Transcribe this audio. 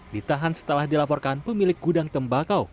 ditahan setelah dilaporkan pemilik gudang tembakau